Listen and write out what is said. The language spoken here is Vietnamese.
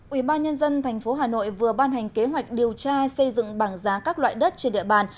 ubnd tp hà nội vừa ban hành kế hoạch điều tra xây dựng bảng giá các loại đất trên địa bàn